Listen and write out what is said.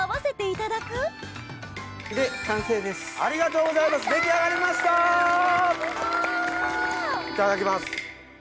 いただきます。